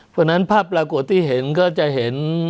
เพราะฉะนั้นภาพปรากฏที่เห็นก็จะเห็น